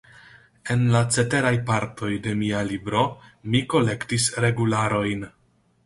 En la ceteraj partoj de mia libro mi kolektis regularojn.